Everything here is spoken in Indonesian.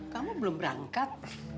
kamu belum berangkat